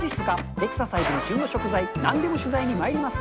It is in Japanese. エクササイズに旬の食材、なんでも取材にまいります。